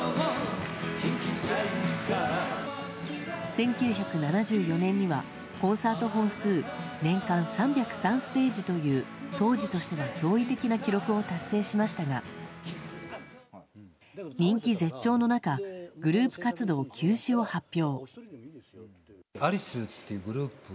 １９７４年にはコンサート本数年間３０３ステージという当時としては驚異的な記録を達成しましたが人気絶頂の中グループ活動休止を発表。